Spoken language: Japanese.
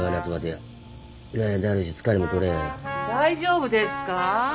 大丈夫ですか？